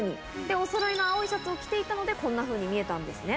おそろいの青いシャツを着ていたので、こんなふうに見えたんですね。